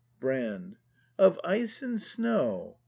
Brand. Of ice and snow!